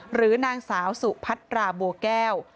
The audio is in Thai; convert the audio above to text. หรือนางสาวสุพัตราบัวแก้ว